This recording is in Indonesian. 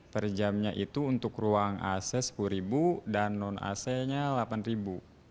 per jamnya itu untuk ruang ac rp sepuluh dan non acnya rp delapan